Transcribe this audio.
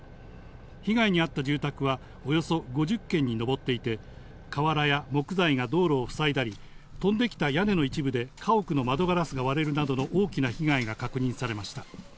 被害に遭った住宅は、およそ５０軒に上っていて、瓦や木材が道路を塞いだり、飛んできた屋根の一部で、家屋の窓ガラスが割れるなどの大きな被害が確認されました。